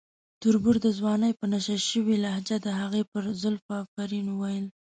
تربور د ځوانۍ په نشه شوې لهجه د هغې پر زلفو افرین وویل.